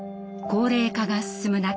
高齢化が進む中